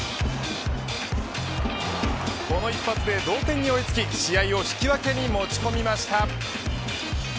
この一発で同点に追いつき試合を引き分けに持ち込みました。